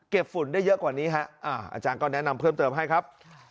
ฝุ่นได้เยอะกว่านี้ฮะอาจารย์ก็แนะนำเพิ่มเติมให้ครับ